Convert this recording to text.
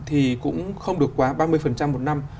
thì cũng không được qua ba mươi một năm